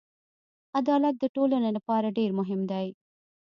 عدالت د ټولنې لپاره ډېر مهم دی.